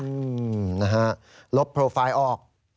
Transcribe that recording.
อืมนะฮะลบโปรไฟล์ออก